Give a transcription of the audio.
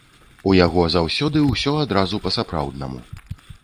У яго заўсёды ўсё адразу па-сапраўднаму.